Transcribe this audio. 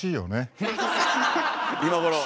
今頃。